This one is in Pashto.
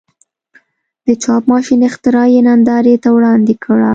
د چاپ ماشین اختراع یې نندارې ته وړاندې کړه.